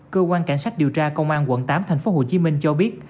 cơ quan cảnh sát điều tra công an quận tám tp hcm cho biết